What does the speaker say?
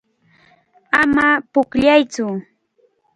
Ama pukllaytsu.